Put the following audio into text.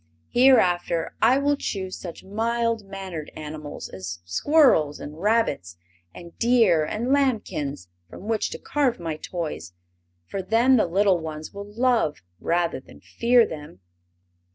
Hereafter I will choose such mild mannered animals as squirrels and rabbits and deer and lambkins from which to carve my toys, for then the little ones will love rather than fear them."